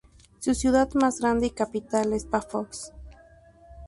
Su ciudad más grande y capital es Pafos.